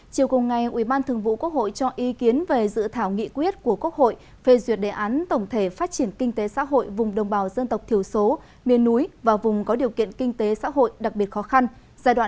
chiều cùng ngày ủy ban thường vụ quốc hội cho ý kiến về dự thảo nghị quyết của quốc hội phê duyệt đề án tổng thể phát triển kinh tế xã hội vùng đồng bào dân tộc thiểu số miền núi và vùng có điều kiện kinh tế xã hội đặc biệt khó khăn giai đoạn hai nghìn hai mươi một hai nghìn ba mươi